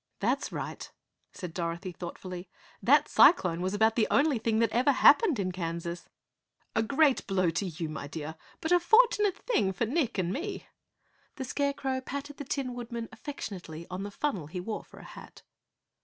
"That's right," said Dorothy thoughtfully, "That cyclone was about the only thing that ever happened in Kansas." "A great blow to you, my dear, but a fortunate thing for Nick and me." The Scarecrow patted the Tin Woodman affectionately on the funnel he wore for a hat.